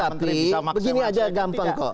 tapi begini saja gampang kok